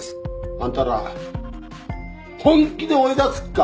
あんたら本気で追い出す気か？